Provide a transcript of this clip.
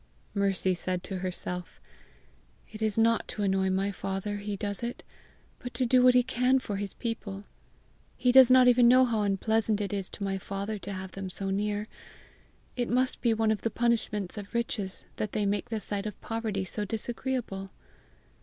Mercy said to herself, "It is not to annoy my father he does it, but to do what he can for his people! He does not even know how unpleasant it is to my father to have them so near! It must be one of the punishments of riches that they make the sight of poverty so disagreeable!